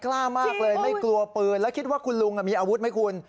กล้ามากเลยไม่กลัวปืนแล้วคิดว่าคุณลุงมีอาวุธไหมคุณ